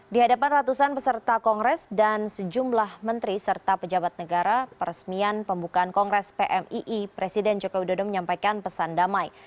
di hadapan ratusan peserta kongres dan sejumlah menteri serta pejabat negara peresmian pembukaan kongres pmii presiden joko widodo menyampaikan pesan damai